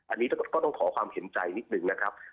อันนี้ก็ต้องขอความเห็นใจนิดนึงนะครับ